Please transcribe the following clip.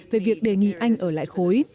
về việc đề nghị anh ở lại khối